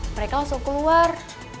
mereka langsung keluar